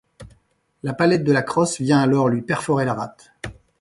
La palette de la crosse vient alors lui perforer la rate.